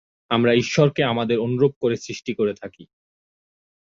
আমরা ঈশ্বরকে আমাদের অনুরূপ করে সৃষ্টি করে থাকি।